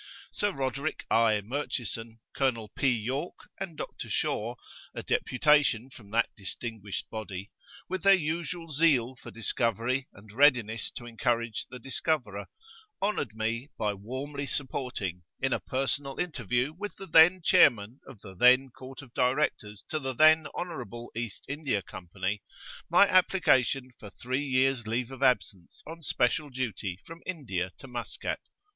Sir Roderick I. Murchison, Colonel P. Yorke and Dr. Shaw, a deputation from that distinguished body, with their usual zeal for discovery and readiness to encourage the discoverer, honoured me by warmly supporting, in a personal interview with the then Chairman of the then Court of Directors to the then Honourable East India Company, my application for three years' leave of absence on special duty from India to Maskat.